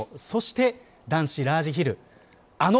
そして、男子ラージヒル。